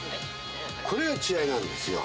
これが血合いなんですよ。